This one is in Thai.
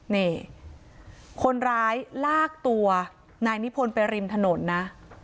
นี่คนร้ายลากตัวนายนิพนธ์ไปริมถนนนะ